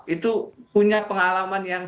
itu punya pengalaman yang